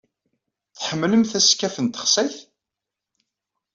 Tḥemmlemt askaf n texsayt?